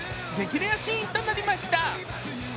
レアシーンとなりました。